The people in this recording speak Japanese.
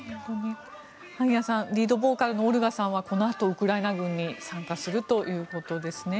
萩谷さんリードボーカルのオレグさんはこのあと、ウクライナ軍に参加するということですね。